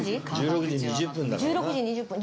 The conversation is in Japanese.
１６時２０分。